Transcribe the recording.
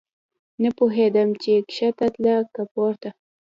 نه پوهېدم چې کښته تله که پورته.